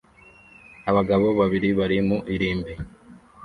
Abagabo babiri bari mu irimbi